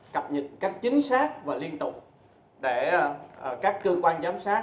cập nhật cách chính xác và liên tục để các cơ quan giám sát